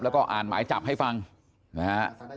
แล้วก็อ่านหมายจับให้ฟังนะฮะ